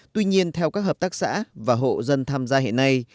tuy nhiên theo các hợp tác xã và hộ dân tham gia hiện nay